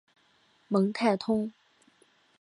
蒙泰通。